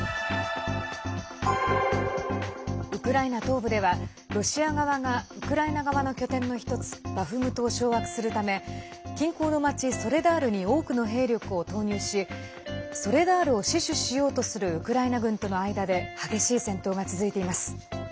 ウクライナ東部ではロシア側がウクライナ側の拠点の一つバフムトを掌握するため近郊の町ソレダールに多くの兵力を投入しソレダールを死守しようとするウクライナ軍との間で激しい戦闘が続いています。